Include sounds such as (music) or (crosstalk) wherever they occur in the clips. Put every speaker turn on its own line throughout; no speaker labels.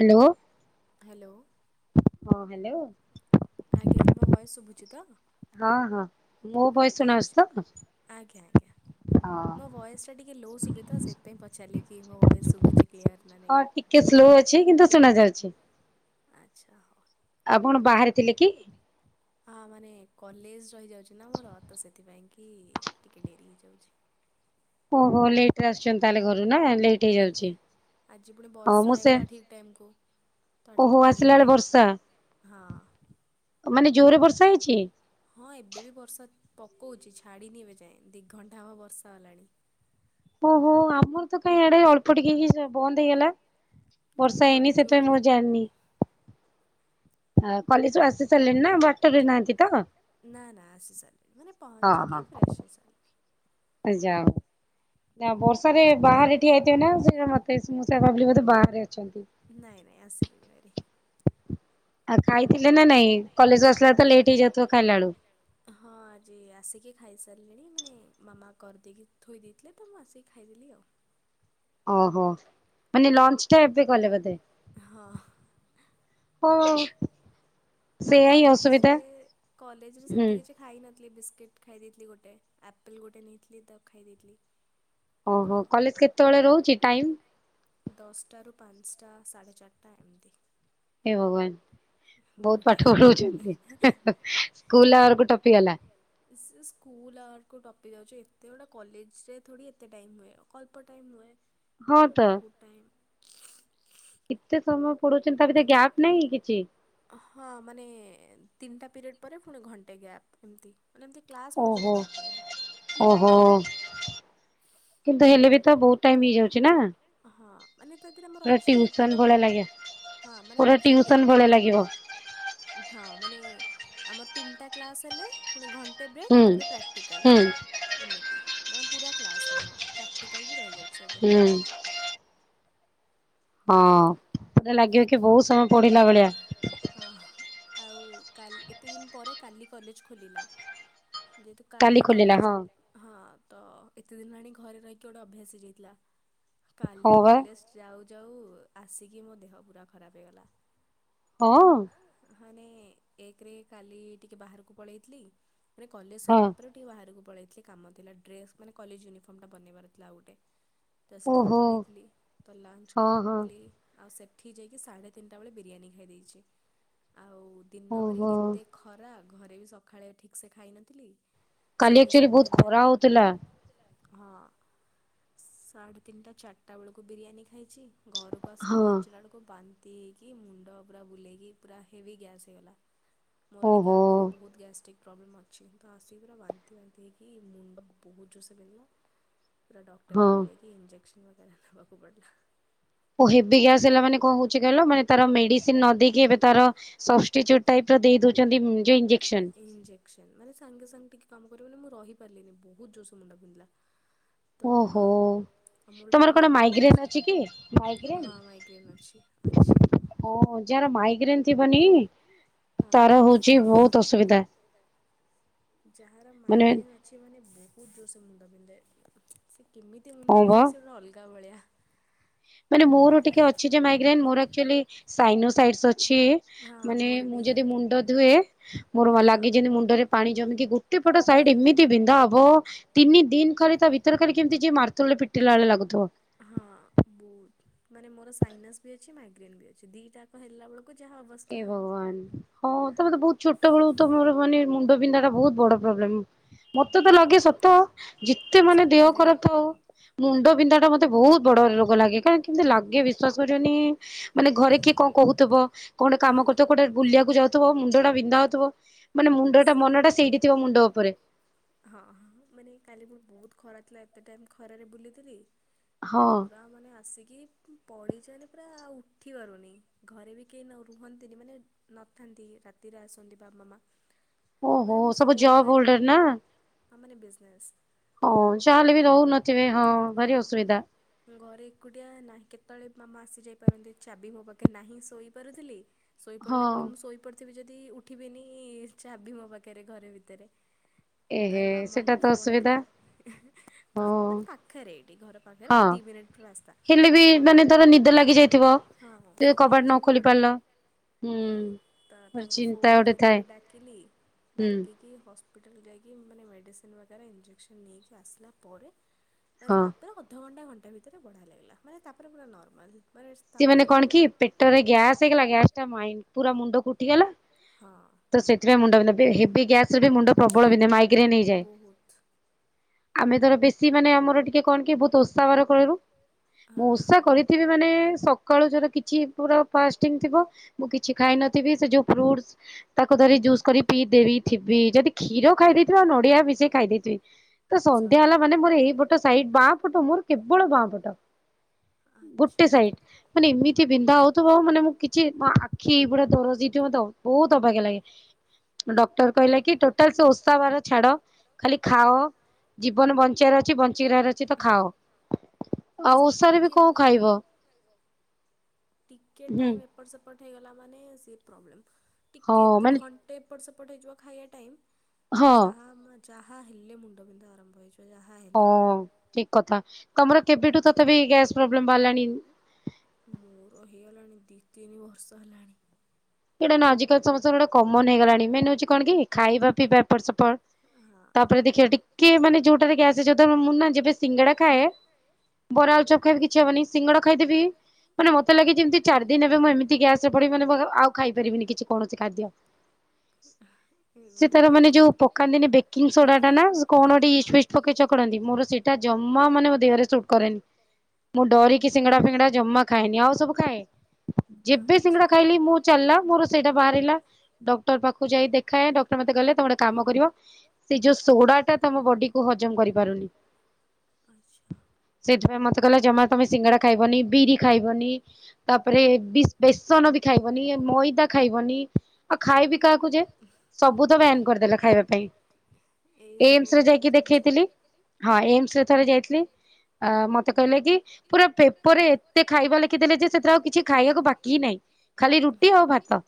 Hello.
Hello.
ହଁ hello. ହଁ ହଁ ମୋ ଭୟସ୍ ସୁଣା ହଉଚିତ?
ଆଜ୍ଞା ଆଜ୍ଞା। ମୋ ଭଏସଟା ଟିକେ ଲୋ ସୁୁଭେତ ସେଥିପାଇଁ ପଚାରିଲେ କି ମୋ ଭଏସ୍ ଶୁଭୁଚି କ୍ଲିୟର ନା ନାଇଁ।
କିଏ ସ୍ଲୋ ଅଛି କିନ୍ତୁ ଶୁଣା ଯାଉଛି।
ଆଚ୍ଛା ହଉ।
ଆପଣ ବାହାରେ ଥିଲେକି?
ହଁ ମାନେ କଲେଜ୍ ରହିଯାଉଛିନା ମୋର ତ ସେଥିପାଇଁକି ଟିକେ ଡେରି ହେଇଯାଉଛି।
ଓହୋ ଲେଟରେ ଆସୁଛନ୍ତି ତାହେଲେ ଘରୁନା?
ଆଜ୍ଞା ଆଜି ପୁଣି ବର୍ଷା ହେଇଗଲା ଠିକ୍ ଟାଇମିକୁୁ। ତଟିକେ ଲେଟ୍ ହେଇଗଲା ହଁ। ହଁ ଏବେବି ବର୍ଷା ପକଉଛି ଛାଡ଼ିନି ଏବେ ଯାଏଁ ଦିଇଘଣ୍ଟା ହବ ବର୍ଷା ହେଲାଣି।
ଓହୋ ଆମରତ କାଇଁ ଇଆଡ଼େ ଅଳ୍ପ ଟିକେ ହେଇ ବନ୍ଦ ହେଇଗଲା। ବର୍ଷା ହେଇନି ସେଥିପାଇଁ ମୁଁ ଆଉ ଜାଣିନି।
ନାଁ ନାଁ ଆସି ସାରିଲିଣି ମାନେ ପହଞ୍ଚିକି ଫ୍ରେସ୍ ହେଇ ସାରିଲିଣି।
ଆ ଯାହଉ ନାଁ ବର୍ଷାରେ ବାହାରେ ଏଠି ହେଇଥିବେନା ସେଟା ମେ ମୁଁ ସେୟା ଭାବିଲି ବୋଧେ ବାହାରେ ଅଛନ୍ତି।
ନାଇଁ ନାଇଁ ଆସିଲିଣି ଭାରି।
ଆଉ ଖାଇଥିଲେନା ନାଇଁ କଲେଜ୍ ଆସିଲାବେଳେତ ଲେଟ୍ ହେଇଯାଉଥିବ ଖାଇଲାବେଳକୁ?
ହଁ ଆଜି ଆସିକି ଖାଇସାରିଲିଣି ମାନେ ମାମା କରିଦେଇକି ଥୋଇ ଦେଇଥିଲେ ତ ମୁଁ ଆସିକି ଖାଇଦେଲି ଆଉ।
ଓହୋ।
ହଁ। ଆ କଲେଜ୍ ରେ କଲେଜ୍ ରେ ସେମିତି କିଛି ଖାଇ ନଥିଲି ବିସ୍କୁିଟ୍ ଖାଇ ଦେଇଥିଲି ଗୋଟେ ଆପଲ୍ ଗୋଟେ ନେଇଥିଲି ତ ଖାଇ ଦେଇଥିଲି।
ଓହୋ କଲେଜ୍ କେତେବେଳେ ରହୁଚି ଟାଇମ୍?
ଦଶଟାରୁ ପାଞ୍ଚଟା ସାଢ଼େ ଚାରିଟା ଏମିତି।
ଏ ଭଗବାନ୍ ବହୁତ୍ ପାଠ ପଢଉଛନ୍ତି ହେ ହେ ସ୍କୁଲ୍ ଆରକୁ ଟପିଗଲା।
ସେ ସ୍କୁଲ୍ ଆର୍କୁ ଟପିକ୍ ଯାଉଚି ଏତେ ଗୁଡ଼ା କଲେଜରେ ଥୋଡ଼ି ଏତେ ଟାଇମ୍ ହୁଏ ଆଉ। ଅଳ୍ପ ଟାଇମ୍ ହୁଏ ଏଠୁତ ବହୁତ୍ ଟାଇମ୍
କେତେ ସମୟ ପଡଉଛନ୍ତି ତାଭିତରେ ଗ୍ୟାପ୍ ନାହିଁ କିଛି।
ହଁ ମାନେ ତିନିଟା ପିରିୟଡ଼୍ ପରେ ପୁଣି ଘଣ୍ଟେ ଗ୍ୟାପ୍ ଏମିତି। ମାନେ ଏମିତି କ୍ଲାସ୍ ମଝିରେ ଗ୍ୟାପ୍ ନାହିଁ।
(inaudible)
ହଁ ମାନେ ତାଦିରେ ଆମର ଅଛି। ହଁ ମାନେ ଅଛି ତିନି ହଁ ମାନେ ଆମର ତିନିଟା କ୍ଲାସ୍ ହେଲେ ପୁଣି ଘଣ୍ଟେ ବ୍ରେକ୍ ତାପରେ ପ୍ରାଟି ଟିକାଲ୍ ଏମିତି ମାନେ ପୁରା କ୍ଲାସ୍ ନୁହଁ ପ୍ରାକ୍ଟିକାଲ୍ ବି ରହିଯାଉ
ହୁଁ। ହଁ (inaudible) ଲାଗିବ କି ବହୁତ ସମୟ ପଢିଲା ଭଳିଆ।
ହଁ ଆଉ କାଲି ଏତେ ଦିନ ପରେ କାଲି କଲେଜ ଖୋଲିଲା। ଯେହେତୁ କାଲି କଲେଜ ହଁ ତ ଏତେ ଦିନ ହେଲାଣି ଘରେ ରହିକି ଗୋଟେ ଅଭ୍ୟାସ ହେଇଯାଇଥିଲା କାଲି କଲେଜ ଯାଉ ଯାଉ ଆସିକି ମୋ ଦେହ ପୁରା ଖରାପ ହେଇଗଲା।
ହଁ।
ହ ନାଇ ଏକ ରେ କାଲି ଟିକେ ବାହାରକୁ ପଳେଇଥିଲି ମାନେ କଲେଜ ସରିଲା ପରେ ଟିକେ ବାହାରକୁ ପଳେଇଥିଲି କାମ ଥିଲା ଡ୍ରେସ ମାନେ କଲେଜ ୟୁନିଫର୍ମ ଟା ବନେଇବାରଥିଲା ଆଉ ଗୋଟେ। ତ ସେଠିକୁ ପଳେଇଥିଲି ତ ଲଞ୍ଚ
ହଁ ହଁ।
ଥିଲି ଆଉ ସେଠି ଯାଇକି ସାଢ଼େ ତିନିଟା ବେଳେ ବିରିୟାନୀ ଖାଇ ଦେଇଚି ଆଉ ଦିନ ଭରି ଏତେ ଖରା ଘରେ ବି ସକାଳେ ଠିକ ସେ ଖାଇନଥିଲି ସେଠି ସାଢ଼େତିନଟା ହଁ ସାଢ଼େ ତିନିଟା ଚାରଟା ବେଳକୁ ବିରିୟାନୀ ଖାଇଚି। ଘରକୁ ଆସି ପହଞ୍ଚିଲା ବେଳକୁ ବାନ୍ତି ହେଇକି ମୁଣ୍ଡ ପୁରା ବୁଲେଇକି ପୁରା ହେଭି ଗ୍ୟାସ୍ ହେଇଗଲା। ମୋର ଟିକେ ଆଗରୁ ବହୁତ ଗ୍ୟାଷ୍ଟ୍ରିକ୍ ପ୍ରୋବ୍ଲେମ ଅଛି ତ ଆସିକି ରା ବାନ୍ତି ବାନ୍ତି ହେଇକି ମୁଣ୍ଡ ବହୁତ ଜୋରସେ ବିନ୍ଧିଲା ପୁରା ଡକ୍ଟର ପାଖକୁ ଯାଇକି ଇଞ୍ଜେକ୍ସନ ବଗରା ନେବାକୁ ପଡିଲା।
ହେବି ଗ୍ୟାସ ହେଲା ମାନେ କଣ ହଉଚି କହିଲ ମାନେ ତାର ମେଡିସିନ ନ ଦେଇକି ଏବେ ତାର ସସ୍
ସଷ୍ଟିତୁଡ୍ ଟାଇପର ଦେଇ ଦଉଛନ୍ତି ଯୋଉ ଇଞ୍ଜେକ୍ଟ ସନ୍ ମାନେ ସାଙ୍ଗେ ସାଙ୍ଗେ ଟିକେ କାମ କରିବନି ମୁଁ ରହିପାରିଲିନି ବହୁତ ଜୋର ଶେ ମୁଣ୍ଡ ବିନ୍ଧିଲା। ତ ମୋର ଟିକେ ଲୋ ବିପି ଅଛି। ହଁ ମାଇଗ୍ରେନ୍ ଅଛି ଅଛି।
ହଁ ଯାର ମାଇଗ୍ରେନ୍ ଥିବ ନି ତାର ହଉଚି ବହୁତ ଅସୁବିଧା।
ଯାହାର ମାଇଗ୍ରେନ୍ ଅ ଛି ମାନେ ବହୁତ ଜୋର ସେ ମୁଣ୍ଡ ବିନ୍ଧେ ସେ କେମିତି ମୁଣ୍ଡ ବିନ୍ଧେ ସେ ରା ଅଲଗା ଭଳିଆ।
ମାନେ ମୋର ଟିକେ ଅଛି ଯେ ମାଇଗ୍ରେନ୍ ମୋର ଆକ୍ଟୁଆଲି ସାଇନୋସାଇଡସ୍ ଅ ଛି ମାନେ ମୁଁ ଯଦି ମୁଣ୍ଡ ଧୁଏ ମୋର ଅ ଲାଗେ ଯେମି ମୁଣ୍ଡରେ ପାଣି ଜମିକି ଗୋଟେ ପଟ ସାଇଟ ଏମିତି ବିନ୍ଧା ହବ ତିନି ଦିନ କରି ତା ଭିତରେ ଖାଲି କେମିତି ଯିଏ ମାର୍ତୁଲ ରେ ପିଟିଲା ଭଳିଆ ଲାଗୁଥିବ।
ହଁ ବହୁତ ମାନେ ମୋର ସାଇନସ୍ ବି ଅଛି ମାଇଗ୍ରେନ୍ ବି ଅଛି ଦିଇଟାକ ହେଲାବେଳ କୁ ଯାହା ଅବ
ଏ ଭଗବାନ। ହଁ ତ ମତ ବହୁତ ଛୋଟ ବେଳୁ ତ ମର ମାନେ ମୁଣ୍ଡ ବିନ୍ଧା ଟା ବହୁତ ବଡ ପ୍ରୋବ୍ଲେମ। ମତେ ତ ଲାଗେ ସତ ଯେତେ ମାନେ ଦେହ ଖରପେ ଥାଉ ମୁଣ୍ଡ ବିନ୍ଧା ଟା ମତେ ବହୁତ ବଡ ରୋଗ ଲାଗେ କାରଣ କେମିତି ଲାଗେ ବିଶ୍ଵାସ କରିବନି ମାନେ ଘରେ କିଏ କ କହୁଥିବ କଣ ଟେ କାମ କରୁଥିବ କୋଟେ ବୁଲିବାକୁ ଯାଉଥିବ ମୁଣ୍ଡ ଟା ବିନ୍ଧା ହଉଥିବ ମାନେ ମୁଣ୍ଡଟା ମନଟା ସେଇଠି ଥିବ ମୁଣ୍ଡ ଉପରେ।
ହଁ ହଁ ମାନେ କାଲି ମୋର ବହୁତ ଖରା ଥିଲା ଏତେ ଟାଇମ୍ ଖରାରେ ବୁଲିଥିଲି ପୁରା ମାନେ ଆସିକି ପଡ଼ିଚି ମାନେ ପୁରା ଆଉ ଉଠି ପାରୁନି ଘରେ ବି କେହି ନ ରୁହନ୍ତିନି ମାନେ ନଥାନ୍ତି ରାତିରେ ଆସନ୍ତି ବାବା ମା ମାନେ ମୁଁ ଫୋନ କରିକି ଆ ମାନେ ବିଜନେସ୍।
ହଁ ଯାହାହେଲେ ବି ରହୁନଥିବେ ହଁ ଭାରି ଅସୁବିଧା।
ଘରେ ଏକୁଟିଆ ନାହିଁ କେତେବେଳେ ମାମା ଆସିଯାଇପାରନ୍ତି ଚାବି ମୋ ପାଖେ ନାହିଁ ଶୋଇପାରୁଥିଲି ଶୋଇପଡ଼ିଲେ ଫୁଣି ମୁଁ ଶୋଇପଡ଼ିଥିବି ଯଦି ଉଠିବିନି ଚାବି ମୋ ପାଖରେ ଘରେ ଭିତରେ। ତାରେ ମାମାଙ୍କୁ ଫୋନ କରି ମାନେ ପାଖରେ ଏଠି ଘର ପାକରେ ପା ଦିଇ ମିିନିଟର ରାସ୍ତା ତ ମାମା ହଁ ହ ଟେନ୍‌ସନ୍‌ ଗୋଟେ।
ହୁଁ।
ତ ତାଙ୍କୁ ଫୋନ୍ କରିକି ଡାକିଲି ଡାକି କି ହସ୍ପିଟାଲ ଯାଇକି ମାନେ ମେଡ଼ିସିନ ବଗରା ଇଞ୍ଜେକ୍ସନ୍ ନେଇକି ଆସିଲା ପରେ ମାନେ ତାପରେ ଅଧଘଣ୍ଟା ଘଣ୍ଟା ଭିତରେ ବଢାଆ ଲାଗିଲା ମାନେ ତାପରେ ପୁରା ନର୍ମାଲ୍।
ସେ ମାନେ କଣ କି ପେଟରେ ଗ୍ୟାସ୍ ହେଇଗଲା ଗ୍ୟାସ୍ ଟା ମାଇଁଣ୍ଡି ପୁରା ମୁଣ୍ଡକୁ ଉଠିଗଲା। ତ ସେଥିପାଇଁ ମୁଣ୍ଡ ବିନ୍ଧା ବି ହେବି ଗ୍ୟାସରେ ମୁଣ୍ଡ ପ୍ରବଳ ବିନ୍ଧା ମାଇଗ୍ରେନ୍ ହେଇଯାଏ। ଆମେ ଥର ବେଶୀ ମାନେ ଆମର ଟିକେ କଣ କି ବହୁତ ଓଷା ବାର କରୁ ମୁଁ ଓଷା କରିି- ସେଥିରେ ମାନେ ସକାଳୁ ଯଦି କିଛି ପୁରା ଫାଷ୍ଟିଙ୍ଗ ଥିବ ମୁଁ କିଛି ଖାଇନଥିବି ସେ ଯୋଉ ଫ୍ରୁଟସ୍‌ ତାକୁ ଧରି ଜୁସ୍ କରି ପିଇଦେଇ ଥିବି ଯଦି କ୍ଷୀର ଖାଇ ଦେଇେଥିବି ଆଉ ନଡ଼ିଆ ମିଶେଇକି ଖାଇ ଦେଇଥିବି। ତ ସନ୍ଧ୍ୟା ହେଲା ମାନେ ମୋର ଏଇ ପଟ ସାଇଡ ବାଁ ପଟ ମୋର କେବଳ ବାଁ ପଟ।
ଆଛା।
ମାନେ ଏମିତି ବିନ୍ଧା ହଉଥିବ ମାନେ ମୁଁ କିଛି ମୋ ଆଖି ପୁରା ଦରଜ ହେଇଥିବ ତ ବହୁତ୍ ଅବାଗିଆ ଲାଗେ। ଡକ୍ଟର କହିଲା କି ଟୋଟାଲ ସେ ଓଷା ବାର ଛାଡ଼ ଖାଲି ଖାଅ। ଜୀବନ ବଞ୍ଚେଇଆର ଅଛି ବଞ୍ଚି ରହିବାର ଅଛି ତ ଖାଅ ଆଉ ଓଷାରେ ବି କଣ ଖାଇବ।
ଟିକେ ଟାଇମ୍ ଏପଟ ସେପଟ ହେଇଗଲା ମାନେ ସେ ପ୍ରବ୍ଲେମ। ଟିକେ ତୁ ଘଣ୍ଟେ ଏପଟ ସେପଟ ହେଇଯିବ ଖାଇବା ଟାଇମ୍ ଯାହା ମାନେ ଜାହା ହେଲେ ମୁଣ୍ଡବିନ୍ଧା ଆରମ୍ଭ ହେଇଯିବ।
ହଁ ଠିକ୍ କଥା ତମର କେବେଠୁ ତଥାପି ଗ୍ୟାସ୍ ପ୍ରୋବ୍ଲେମ ବାହାରିଲାଣି। (inaudible)
ମୋର ହେଇଗଲାଣି ଦି ତିନି ବର୍ଷ ହେଲାଣି।
ସେଇଟା ନା ଆଜିକାଲି ସମସ୍ତର ଗୋଟେ କମନ ହେଇଗଲାଣି ମେନ୍ ହଉଛି କଣ କି ଖାଇବା ପିଇଵା ଏପଟ ସେପଟ।
ହଁ ତାପରେ ଦେଖିବ ଟିକେ ମାନେ ଯୋଉଟାରେ ଗ୍ୟାସ ହେଇଯିବ ମୁଁ ନା ଯେବେ ସିଙ୍ଗଡା ଖାଏ
ବରା ଆଳୁଚପ୍ ଖାଇବି କିଛି ହବନି ସିଙ୍ଗଡା ଖାଇଦେବି ମାନେ ମତେ ଲାଗେ ଯେମିତି ଚାର ଦିନ ହେବେ ମୁଁ ଏମତି ଗ୍ୟାସ। ସେ ପରି ମାନେ ଭଲ ଆଉ ଖାଇପାରିବିନି କିଛି କୌଣସି ଖାଦ୍ୟ।
ହ। ହୁଁ ହୁଏ ହଁ ହଁ।
ସେଟା ଜମା ମାନେ ମୋ ଦେହରେ ସୁଟ୍ କରେନି। ମୁଁ ଡରିକି ସିଙ୍ଗଡ଼ା ଫିଙ୍ଗଡ଼ା ଜମା ଖାଏନି ଆଉ ସବୁ ଖାଏ ଯେବେ ସିଙ୍ଗଡ଼ା ଖାଇଲି ମୁଁ ଚାଲିଲା ମୋର ସେଇଟା ବାହାରିଲା ଡକ୍ଟର ପାଖକୁ ଯାଇ ଦେଖାଏ ଡକ୍ଟର ମତେ କହିଲେ ତମେ ଗୋଟେ କାମ କରିବ ସେ ଯୋଉ ସୋଡ଼ା ଟା ତମ ବଡିକୁୁ ହଜମ କରିପାରୁନି।
ଆଚ୍ଛା।
ସେଇଥିପାଇଁ ମତେ କହିଲା ଜମା ତମେ ସିଙ୍ଗଡ଼ା ଖାଇବନି ବିରି ଖାଇବନି ତାପରେ ବି ବେସନ ଵି ଖାଇବନି। ଇଏ ମଇଦା
ମଇଦା ଖାଇବନି ଖାଇବି କାହାକୁ ସବୁ ତ ବ୍ୟାନ କରିଦେଲା ଖାଇବା ପାଇଁ।
ଏମ୍ସ ରେ ଯାଇକି ଦେଖେଇଥିଲି ହଁ ଏମ୍ସ ରେ ଥରେ ଯାଇଥିଲି। ଆ ମତେ କହିଲେ କି ପୁରା ପେପରେ ଏତେ ଖାଇବା ଲେଖିଦେଲେ ଯେ ସେଥିରେ ଆଉ କିଛି ଖାଇବାକୁ ବାକି ହିଁ ନାହିଁ। ଖାଲି ରୁଟି ଆଉ ଭା ଭାତ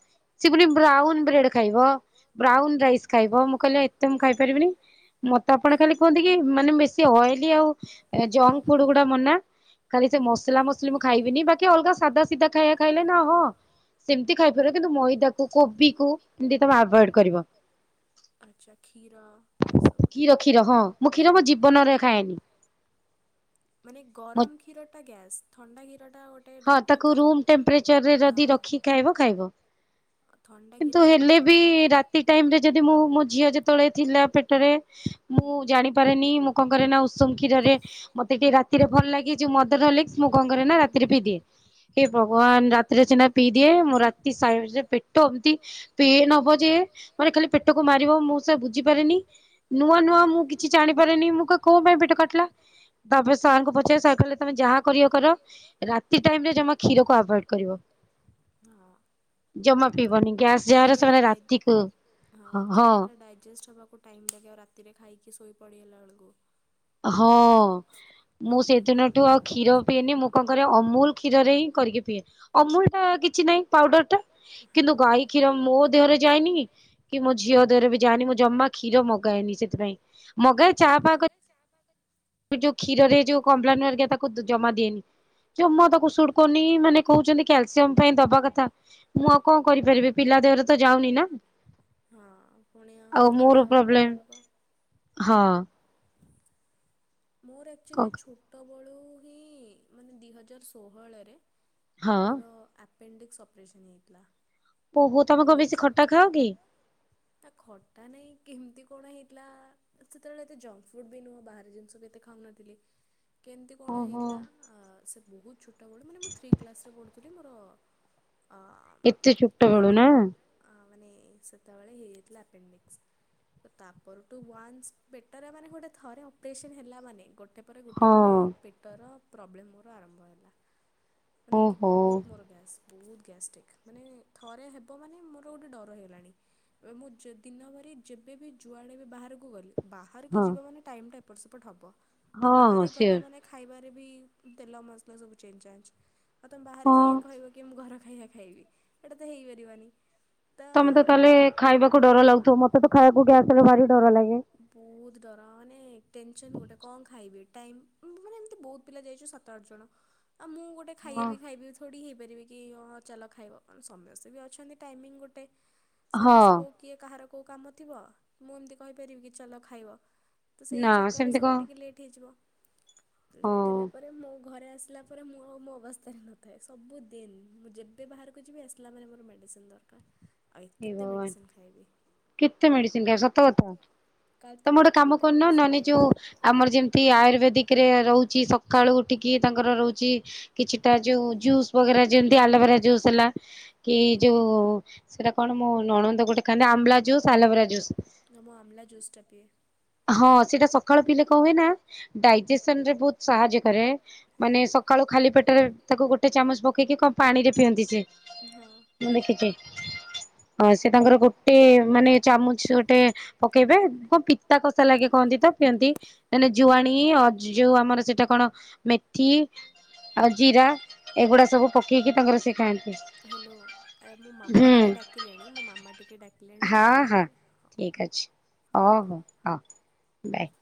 ସେ ପୁଣି ବ୍ରାଉନ ବ୍ରେଡ ଖାଇବ ବ୍ରାଉନ ରାଇସ୍ ଖାଇବ ମୁଁ କହିଲି ଏ ତ ମୁଁ ଖାଇ ପାରିବିନି ମତେ ଆପଣ ଖାଲି କୁହନ୍ତି କି ମାନେ ବେଶୀ ଅଏଲି ଆଉ ଜଙ୍କ
ଜଙ୍କ ଫୁଡ ଗୁଡ଼ା ମନା।
ଖାଲି ସେ ମସଲା ମସଲି ମୁଁ ଖାଇବିନି ବାକି ଅଲଗା ସାଧା ସିଧା ଖାଇବା ଖାଇଲେ ନା ହଁ। ସେମିତି ଖାଇପାର କିନ୍ତୁ ମଇଦା କୁ କୋବି କୁ ଯେ ତମେ ଆଭୋଏଡ଼ କରିବ।
ଆଛା କ୍ଷୀର ଏସବୁ ଟିକେ
(inaudible)
ମାନେ ଗରମ କ୍ଷୀର ଟା ଗ୍ୟାସ୍ ଥଣ୍ଡା କ୍ଷୀର ଟା ଗୋଟ୍
ହଁ ତାକୁ ରୁମ୍ ଟେମ୍ପରେଚରରେ ଯଦି ରଖି କି ଖାଇବ ଖାଇବ। କିନ୍ତୁ ହେଲେ ବି ରାତି ଟାଇମ ରେ ଯଦି ମୁଁ ମୋ ଝିଅ ଯେତେବେଳେ ଥିଲା ପେଟରେ। ମୁଁ ଜାଣିପାରେନି ମୁଁ କଣ କରେ ନା ଉଷୁମ କ୍ଷୀରରେ ମତେ ଟିକେ ରାତିରେ ଭଲ ଲାଗେ ଯୋଉ ମଦରହରଲିକ୍ସ। ମୁଁ କଣ କରେ ନା ରାତିରେ ପିଇଦିଏ ହେ ଭଗବାନ୍ ରାତିରେ ସିନା ପିଇଦିଏ ରାତି ସାହେଡରେ ପେଟ ଏମିତି ପେନ ହବ ଯେ ମାନେ ଖାଲି ପେଟକୁ ମାରିବ ମୁଁ ସେ ବୁଝିପାରେନି। ନୂଆ ନୂଆ ମୁଁ କିଛି ଜାଣିପାରିନି ମୁଁ କୁହେ କଣ ପାଇଁ ପେଟ କାଟିଲା। ତାପରେ ସାର୍ ଙ୍କୁ ପଚାରିଲୁ ସାର କହିଲେ ତମେ ଯାହା କରିବ କର ରାତି ଟାଇମ ରେ ଜମା କ୍ଷୀରକୁ ଆଭଏଡ କରିବ।
ହଁ। କ୍ଷୀର ଟା ଡ଼ାଇ ହଁ କ୍ଷୀର ଟା ଡାଇଜେଷ୍ଟ ହବାକୁ ଟାଇମ୍ ଲାଗେ ଆଉ ରାତିରେ ଖାଇକି ଶୋଇ ପଡ଼ିଗଲା ବେଳକୁ।
ହଁ ମୁଁ ସେଦିନଠୁ ଆଉ କ୍ଷୀର ପିଏନି ମୁଁ କଣ କରେ ଅମୁଲ କ୍ଷୀରରେ ହିଁ କରିକି ପିଏ ଅମୁଲ ଟା କିଛି ନାହିଁ ପାଉଡର ଟା। କିନ୍ତୁ ଗାଈ କ୍ଷୀର ମୋ ଦେହରେ ଯାଇନି କି ମୋ ଝିଅ ଦେହରେ ବି ଯାଇନି। ମୁଁ ଜମା କ୍ଷୀର ମଗାଏନି ସେଥିପାଇଁ, ମଗାଏ ଚାହା ପାହା କରି
ଚା ଫା କ
ଯୋଉ କ୍ଷୀରରେ ଯୋଉ କଂପ୍ଲେନ୍ ହାରିକା ତାକୁ ଜମା ଦିଏନି। ସୁଡକନି ମାନେ କହୁଛନ୍ତି କ୍ୟାଲସିୟମ ପାଇଁ ଦବା କଥା, ମୁଁ ଆଉ କଣ କରିପାରିବି? ପିଲା ଦେହରେ ତ ଯାଉନି ନା ଆଉ ମୋର ପ୍ରୋବ୍ଲେମ୍। ହଁ।
ମୋର ଆକ୍ଚୁଆଲି ଛୋଟବେଳୁ ହିଁ ମାନେ ଦି ହଜାର ଷୋହଳରେ ମୋର ଆପେଣ୍ଡିକ୍ସ ଅପରେସନ୍ ହେଇଥିଲା। ମାନେ ବହୁତ ଛୋଟ। ତା ଖଟା ନାଇଁ କେମିତି କଣ ହେଇଥିଲା ସେତେବେଳେ ଏତେ ଜଙ୍କ ଫୁଡ ବି ନୁହଁ ବାହାରି ଜିନିଷ ବି ତେ ଖାଉନଥିଲି କେମିତି କଣ ହେଇଥିଲା ସେ ବହୁତ ଛୋଟବେଳୁ ମାନେ ମୁଁ ଥ୍ରୀ କ୍ଲାସରେ ପଢ଼ୁଥିଲି ମୋର ଅ ଅ ମାନେ ସେତେବେଳେ ହେଇଯାଇଥିଲା ଆପେଣ୍ଡିକ୍ସ। ତ ତାପରଠୁ ୱାନ୍ସ ବେଟର ମାନେ ଗୋଟେ ଥରେ ଅପରେସନ୍ ହେଲା ମାନେ ଗୋଟେ ପରେ ଗୋଟେ ପରେ ପେଟର ପ୍ରୋବଲେ ମୋର ଆରମ୍ଭ ହେଲା। ମାନେ କି ବହୁତ ମୋର ଗ୍ୟାସ। ବହୁତ ଗ୍ୟାଷ୍ଟ୍ରିକ୍ ମାନେ ଥରେ ହେବ ମାନେ ମୋର ଗୋଟେ ଡର ହେଇଲାଣି। ଏ ମୁଁ ଯେ ଦିନ ଭରି ଯେବେବି ଯୁଆଡ଼େ ବି ବାହାରକୁ ଗଲି ବାହାରକୁ ଯିବା ମାନେ ଟାଇମ୍ଟା ଏପଟ ସେପଟ ହେବ। ଆଉ ବାହାରେ ଗଲା ମାନେ ଖାଇବାରେ ବି ତେଲ ମସଲା ସବୁ ଚେଞ୍ଜ ଚାଞ୍ଚ। ଆ ତମେ ବାହାରେ ଯାଇକି କହିବ କି ମୁଁ ଘର ଖାଇବା ଖାଇବି ଏଇଟା ତ ହେଇପାରିବନି।
ତମେ ତ ତାହଲେ ଖାଇବାକୁଡର ଲାଗୁଥିବ? ମତେ ତ ଖାଇବାକୁ ଗ୍ୟାସ୍ ରେ ଭାରି ଡର ଲାଗେ।
ବହୁତ ଡର ମାନେ ଟେନସନ ଗୋଟେ। ଖାଇବି ଟାଇମ ମାନେ ଏମିତି ବହୁତ ପିଲା ଯାଇଛୁ ସାତ ଆଠ ଜଣ ଆଉ ମୁଁ ଗୋଟେ ଖାଇ ବି ଖାଇବି ଥୋଡ଼ି ହେଇପାରିବି କି ହଁ ଚାଲ ଖାଇବ କଣ ସମସ୍ତେ ବି ଅଛନ୍ତି ଟାଇମିଙ୍ଗ ଗୋଟେ। ସମସ୍ତେ କେଉଁ କିଏ କାହାର କୋଉ କାମ ଥିବ ମୁଁ ଏମିତି କହିପାରିବି କି ଚାଲ ଖାଇବ ତ ସେଇ ଚକରେ ସବୁ ଟିକେ ଲେଟ୍ ହେଇଯିବ। ଲେଟ ହେଲା ପରେ ମୁ ଘରେ ଆସିଲା ପରେ ମୁଁ ଆଉ ମୋ ଅବସ୍ଥାରେ ନଥାଏ। ସବୁଦିନ ମୁଁ ଯେବେ ବାହାରକୁ ଯିବି ଆସିଲା ମାନ ମୋର ମେଡ଼ିସିନ ଦରକା ର।
ଏ ଭଗବାନ କେତେ ମେଡିସିିନ ଖା ସତ କଥା। ତମେ ଗୋଟେ କାମ କରୁନ ନହେନେ ଯୋଉ ଆମର ଯେମିତି ଆୟୁର୍ବେଦିକରେ ରହୁଛି ସକାଳୁ ଉଠିକି ତାଙ୍କର ରହୁଛି କିଛିଟା ଯୋଉ ଯୁ ଜୁସ୍ ବଗରା ଯେମିତି ଆଲୋଭେରା ଜୁସ୍ ହେଲା କି ଯୋଉ ସେଇଟା କଣ ମୁଁ ନଣନ୍ଦ ଗୋଟେ ଖାନ୍ତି ଆମ୍ବଲା ଜୁସ୍ ଆଲଭରା ଜୁସ୍। ହଁ ସେଇଟା ସକାଳୁ ପିଲେ କହୁଏ ନା ଡାଇଜେସନ ରେ ବହୁତ ସାହାଯ୍ୟ କରେ। ମାନେ ସକାଳୁ ଖାଲି ପେଟରେ ତାକୁ ଗୋଟେ ଚାମଚ ପକେଇକି କଣ ପାଣିରେ ପିଅନ୍ତି ସେ ମୁଁ ଦେଖିଛି। ହଁ ସେ ତାଙ୍କର ଗୋଟେ ମାନେ ଚାମଚ ଗୋଟେ ପକେଇବେ କଣ ପିତା କ ଷା ଲାଗେ କହନ୍ତି ତ ପିଅନ୍ତି ମାନେ ଜୁଆଣ ଅ ଯୋଉ ଆମର ସେଇଟା କଣ ମେଥି ଆଉ ଜିରା ଏଗୁଡା ସବୁ ପକେଇକି ତାଙ୍କର ସିଏ ଖାଆନ୍ତି।
ହାଲୋ ଆ ଏ ମୋ ମାମା ଟିକେ ଡାକିଲେଣି ମୋ ମାମା ଟିକେ ଡାକିଲେଣି
ଠିକ ଅଛି ଓହୋ ହଁ ବାଏ।